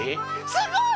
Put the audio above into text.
すごい！